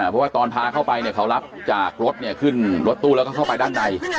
พอตอนพาเข้าไปเขารับจากรถเนี่ยเข้ารถตู้แล้วก็เข้าไปด้านใน